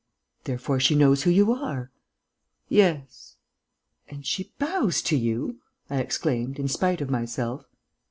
"Therefore she knows who you are." "Yes." "And she bows to you?" I exclaimed, in spite of myself.